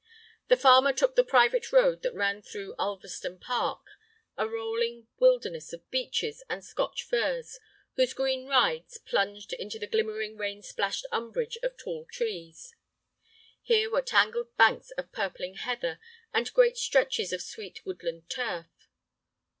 The farmer took the private road that ran through Ulverstone Park, a rolling wilderness of beeches and Scotch firs, whose green "rides" plunged into the glimmering rain splashed umbrage of tall trees. Here were tangled banks of purpling heather, and great stretches of sweet woodland turf.